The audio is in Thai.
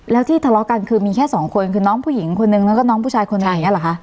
แล้วที่ทะเลาะกันคือมีแค่สองคนคือน้องผู้หญิงคนนึงแล้วก็น้องผู้ชายคนหนึ่งอย่างนี้หรอคะ